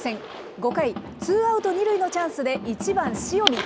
５回、ツーアウト２塁のチャンスで１番塩見。